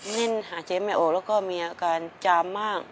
แน่นหาเจ๊ไม่ออกแล้วก็มีอาการจามมาก